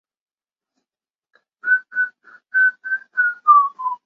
亚兹是位于美国亚利桑那州阿帕契县的一个非建制地区。